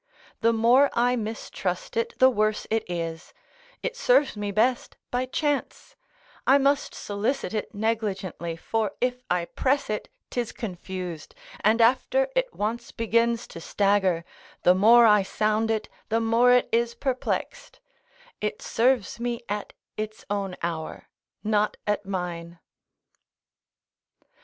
The more I mistrust it the worse it is; it serves me best by chance; I must solicit it negligently; for if I press it, 'tis confused, and after it once begins to stagger, the more I sound it, the more it is perplexed; it serves me at its own hour, not at mine.